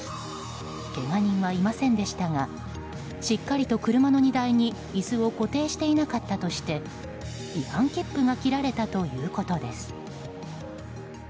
けが人はいませんでしたがしっかりと車の荷台に椅子を固定していなかったとして違反切符が切られたということです。